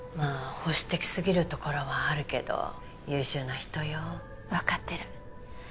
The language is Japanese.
保守的すぎるところはあるけど優秀な人よ分かってる